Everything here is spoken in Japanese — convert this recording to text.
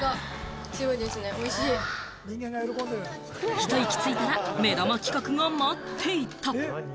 ひと息ついたら目玉企画が待っていた。